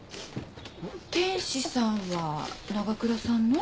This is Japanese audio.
天使さんは長倉さんの？